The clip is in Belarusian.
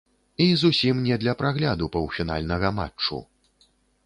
І зусім не для прагляду паўфінальнага матчу.